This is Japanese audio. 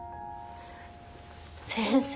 先生。